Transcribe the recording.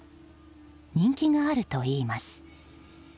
人気があるといいます。